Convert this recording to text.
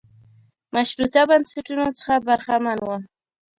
مشروطه بنسټونو څخه برخمن و.